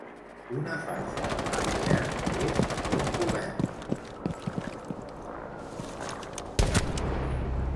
Una faixa, a l'hivern, és de bon govern.